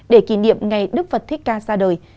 để kỷ niệm ngày đức phật thích ca ra đời